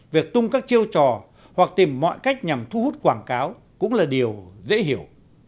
việc tung các chiêu trò hoặc tìm mọi cách nhằm thu hút quảng cáo cũng là điều dễ hiểu